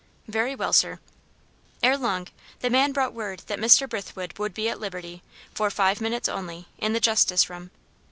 "Very well, sir." Ere long, the man brought word that Mr. Brithwood would be at liberty, for five minutes only, in the justice room.